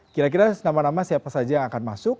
kira kira nama nama siapa saja yang akan masuk